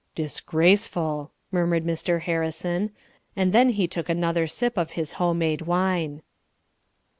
"Disgraceful!" murmured Mr. Harrison; and then he took another sip of his home made wine.